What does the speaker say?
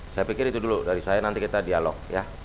saya pikir itu dulu dari saya nanti kita dialog ya